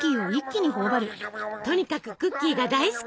とにかくクッキーが大好き！